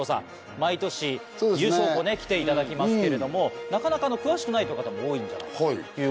毎年優勝校来ていただきますけどもなかなか詳しくないって方も多いんじゃないかということで。